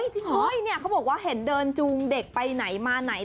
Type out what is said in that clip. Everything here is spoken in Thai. เฮ้ยเขาบอกว่าเห็นเดินจูงเด็กไปไหนมาไหน